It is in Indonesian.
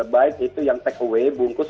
baik itu yang takeaway bungkus